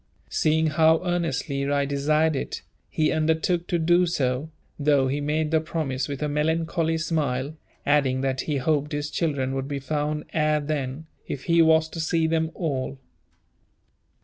Seeing how earnestly I desired it, he undertook to do so, though he made the promise with a melancholy smile, adding that he hoped his children would be found ere then, if he was to see them at all.